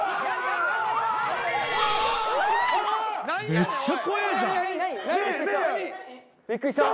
めっちゃ怖えぇじゃん。